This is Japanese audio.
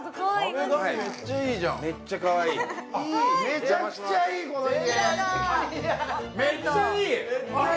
めちゃくちゃいい、この家。